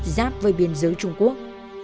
giáp với biên giới trung quốc